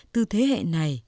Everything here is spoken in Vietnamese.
từ thế hệ này